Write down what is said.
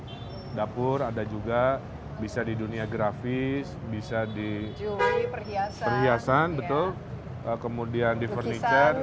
ada dapur ada juga bisa di dunia grafis bisa di perhiasan betul kemudian di furniture